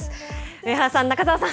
上原さん、中澤さん